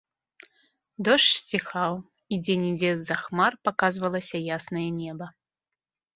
Дождж сціхаў, і дзе-нідзе з-за хмар паказвалася яснае неба.